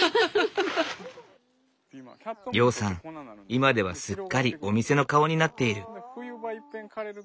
今ではすっかりお店の顔になっている。